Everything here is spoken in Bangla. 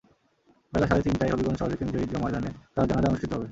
বেলা সাড়ে তিনটায় হবিগঞ্জ শহরের কেন্দ্রীয় ঈদগা ময়দানে তাঁর জানাজা অনুষ্ঠিত হবে।